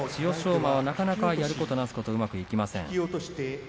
馬はなかなかやることなすことうまくいきません。